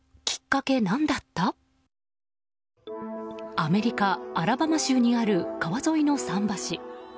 アメリカ・アラバマ州にある川沿いの桟橋。